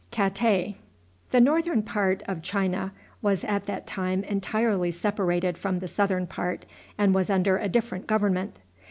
The northern part of China was at that time entirely separated from the southern part, and was under a different government.